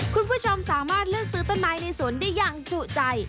คุณผู้ชมสามารถเลือกซื้อต้นไม้ในสวนได้อย่างจุใจ